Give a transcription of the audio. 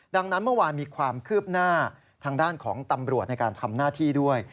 ดังนั้นเมื่อวานมีความคืบหน้าทางด้านของตำรวจในการทำหน้าที่ด้วย